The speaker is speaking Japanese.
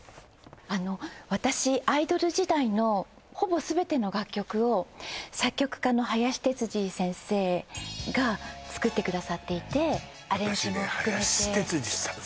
あの私アイドル時代のほぼ全ての楽曲を作曲家の林哲司先生が作ってくださっていて私ね林哲司さん